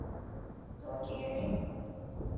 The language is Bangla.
তুমি কি রেডি?